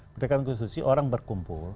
pendekatan konstitusi orang berkumpul